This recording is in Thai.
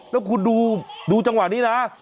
แล้วคุณดูจังหวะนี้นะ